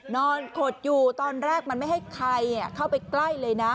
ขดอยู่ตอนแรกมันไม่ให้ใครเข้าไปใกล้เลยนะ